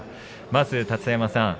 まず立田山さん